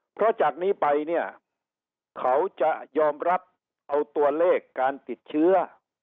เพราะจากนี้ไปเนี่ยเขาจะยอมรับเอาตัวเลขการติดเชื้อ